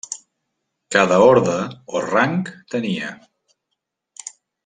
Cada orde o rang tenia.